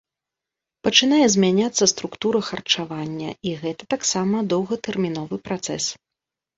Пачынае змяняцца структура харчавання, і гэта таксама доўгатэрміновы працэс.